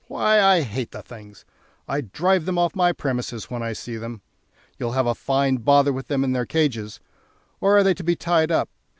Why, I hate the things; I drive them off my premises when I see them. You'll have a fine bother with them in their cages! Or are they to be tied up?